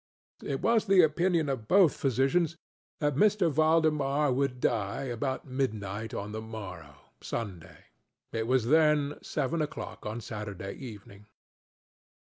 It was the opinion of both physicians that M. Valdemar would die about midnight on the morrow (Sunday). It was then seven oŌĆÖclock on Saturday evening.